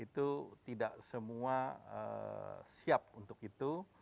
itu tidak semua siap untuk itu